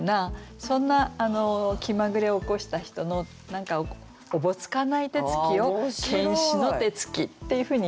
そんな気まぐれを起こした人の何かおぼつかない手つきを「検死の手つき」っていうふうに言ってるんですね。